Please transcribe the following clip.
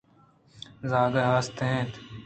زھگے ھست اِنت ئِے۔